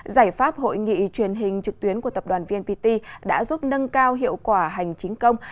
giải pháp hội nghị truyền hình trực tuyến của tập đoàn vnpt đã giúp nâng cao hiệu quả hành chính công